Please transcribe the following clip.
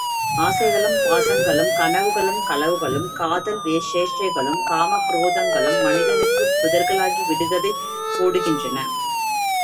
ஆசைகளும் பாசங்களும், கனவுகளும் களவுகளும் காதல் சேஷ்டைகளும் காமக் குரோதங்களும் மனிதனுக்குப் புதிர்களாகி விடுகதை போடுகின்றன.